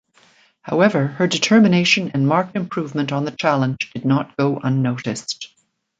However her determination and marked improvement on the challenge did not go unnoticed.